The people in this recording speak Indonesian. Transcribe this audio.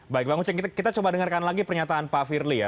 baik bang uceng kita coba dengarkan lagi pernyataan pak firly ya